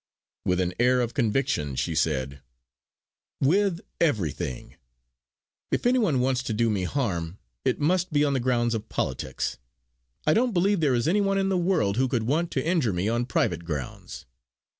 With an air of conviction she said: "Why, everything! If any one wants to do me harm, it must be on the grounds of politics. I don't believe there is any one in the world who could want to injure me on private grounds.